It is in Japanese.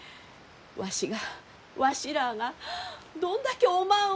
わしがわしらあがどんだけおまんを。